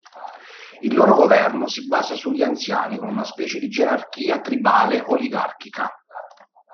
Il loro governo si basa sugli "anziani", con una specie di gerarchia tribale oligarchica.